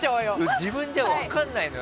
自分じゃ分からないのよ。